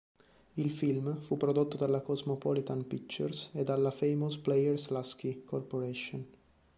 Il film fu prodotto dalla Cosmopolitan Pictures e dalla Famous Players-Lasky Corporation.